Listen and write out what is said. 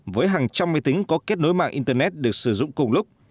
với hàng trăm máy tính có kết nối mạng internet được sử dụng cùng lúc